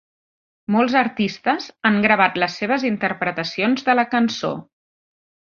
Molts artistes han gravat les seves interpretacions de la cançó.